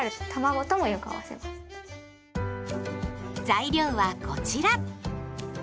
材料はこちら。